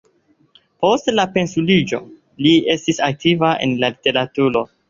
Post la pensiuliĝo li estis aktiva en la literaturo.